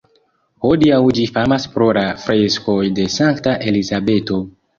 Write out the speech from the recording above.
Hodiaŭ ĝi famas pro la freskoj de Sankta Elizabeto.